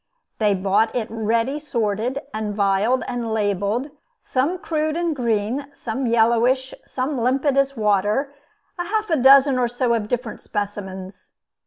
They bought it ready sorted and vialled and labelled; some crude and green, some yellowish, some limpid as water, half a dozen or so of different specimens.